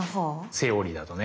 セオリーだとね。